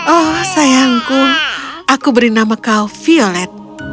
oh sayangku aku beri nama kau violet